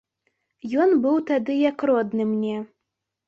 Ён быў тады як родны мне.